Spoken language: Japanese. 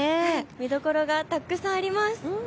見どころがたくさんあります。